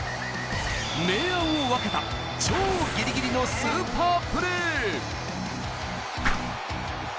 明暗を分けた超ギリギリのスーパープレー。